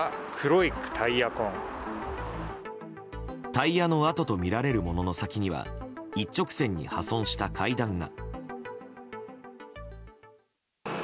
タイヤの跡とみられるものの先には一直線に破損した階段が。